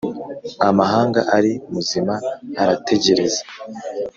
amahanga ari muzima arategereza,